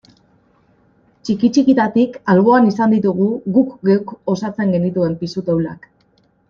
Txiki-txikitatik alboan izan ditugu guk geuk osatzen genituen pisu taulak.